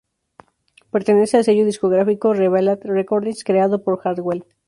Pertenece al sello discográfico Revealed Recordings, creado por Hardwell.